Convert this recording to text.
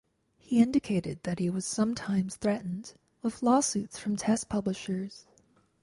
He indicated that he was sometimes threatened with lawsuits from test publishers.